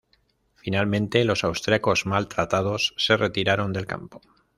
Finalmente, los austríacos mal tratados se retiraron del campo.